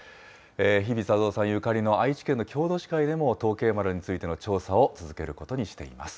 日比左三さんゆかりの愛知県の郷土史会でも、東慶丸についての調査を続けることにしています。